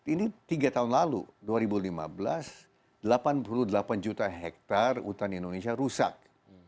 ini tiga tahun lalu dua ribu lima belas delapan puluh delapan juta hektare hutan indonesia rusak